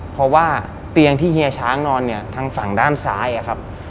เพราะว่าเตียงที่เฮียช้างนอนเนี่ยทางฝั่งด้านซ้ายอะครับ